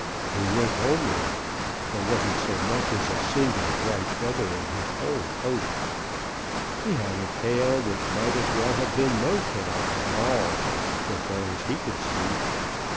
He was homely. There wasn't so much as a single bright feather in his whole coat. He had a tail which might as well have been no tail at all, so far as he could see.